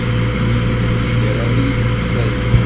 Yezger abrid s tazzla.